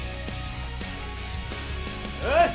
よし！